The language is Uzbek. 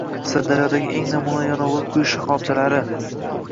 Sirdaryodagi eng namunali yonilg‘i quyish shaxobchalari